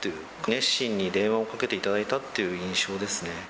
熱心に電話をかけていただいたっていう印象ですね。